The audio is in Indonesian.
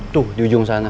tuh di ujung sana